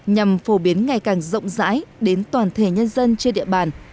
nhằm phổ biến ngày càng rộng rãi đến toàn thể nhân dân trên địa bàn